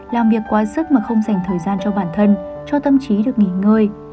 làm việc quá sức mà không dành thời gian cho bản thân cho tâm trí được nghỉ ngơi